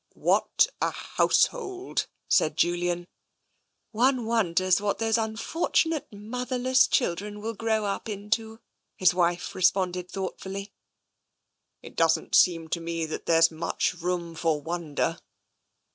" What a household !" said Julian. " One wonders what those unfortunate, motherless children will grow up into," his wife responded thoughtfully. " It doesn't seem to me that there's much room for wonder."